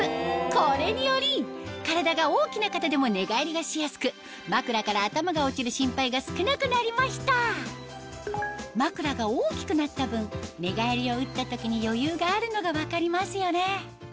これにより体が大きな方でも寝返りがしやすく枕から頭が落ちる心配が少なくなりました枕が大きくなった分寝返りをうった時に余裕があるのが分かりますよね